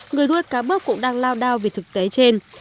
người nuôi cá bớp cũng đang lao đao vì thực trạng